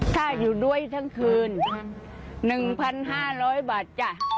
ถ้าอยู่ด้วยทั้งคืน๑๕๐๐บาทจ้ะ